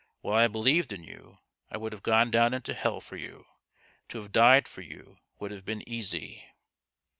" While I believed in you I would have gone down into hell for you. To have died for you would have been easy."